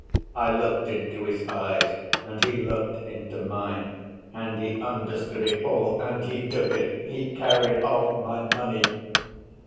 I looked into his eyes and he looked into mine, and he understood it all and he took it—he carried off my money!"